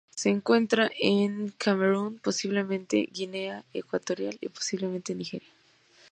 Se encuentra en Camerún, posiblemente Guinea Ecuatorial y posiblemente Nigeria.